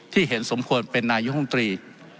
ที่เห็นสมควรเป็นนายธรรมตรี